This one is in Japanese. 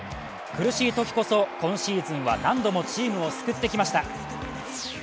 苦しいときこそ今シーズンは何度もチームを救ってきました。